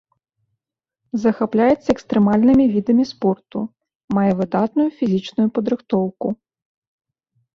Захапляецца экстрэмальнымі відамі спорту, мае выдатную фізічную падрыхтоўку.